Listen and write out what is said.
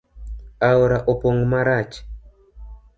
Aora opong marach